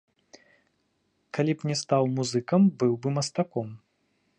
Калі б не стаў музыкам, быў бы мастаком.